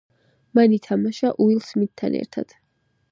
მან ითამაშა უილ სმიტთან ერთად.